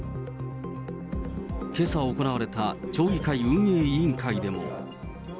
けさ行われた町議会運営委員会でも。